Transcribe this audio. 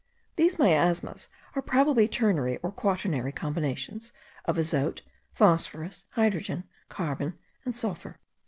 These miasms are probably ternary or quaternary combinations of azote, phosphorus, hydrogen, carbon, and sulphur.